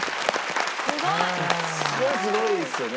すごいですよね。